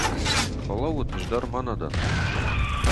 Фӕлӕуут, ӕз дӕр мӕнӕ дӕн!